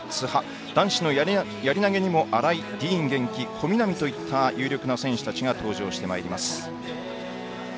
男子のやり投げは新井、ディーン元気、小南といった有力な選手たちが登場します。